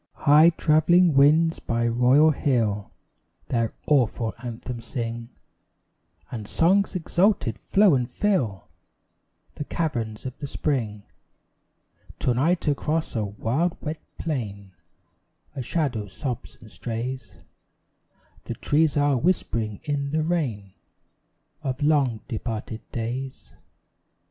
High travelling winds by royal hill Their awful anthem sing, And songs exalted flow and fill The caverns of the spring. To night across a wild wet plain A shadow sobs and strays; The trees are whispering in the rain Of long departed days.